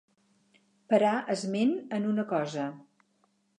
Parar esment en una cosa.